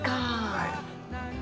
はい。